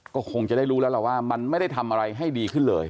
ก็คงจะได้รู้แล้วล่ะว่ามันไม่ได้ทำอะไรให้ดีขึ้นเลย